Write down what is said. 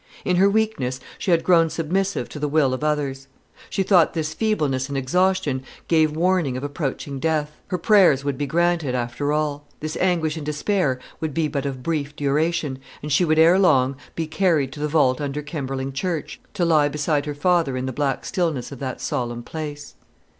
In her weakness she had grown submissive to the will of others. She thought this feebleness and exhaustion gave warning of approaching death. Her prayers would be granted, after all. This anguish and despair would be but of brief duration, and she would ere long be carried to the vault under Kemberling Church, to lie beside her father in the black stillness of that solemn place.